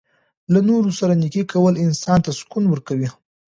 له نورو سره نیکي کول انسان ته سکون ورکوي.